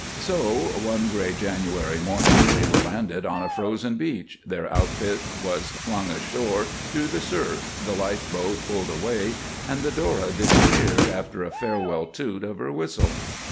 So, one gray January morning they were landed on a frozen beach, their outfit was flung ashore through the surf, the life boat pulled away, and the Dora disappeared after a farewell toot of her whistle.